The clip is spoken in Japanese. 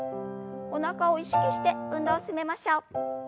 おなかを意識して運動を進めましょう。